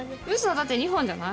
だって２本じゃない？